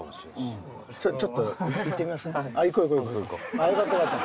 ああよかったよかった。